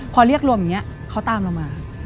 พอเรียกรวมอย่างนี้เขาตามเรามา